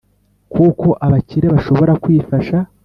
kuko abakire bashobora kwifasha